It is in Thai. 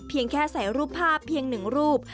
เพียงแค่ใส่รูปภาพเพียงหนึ่งรูป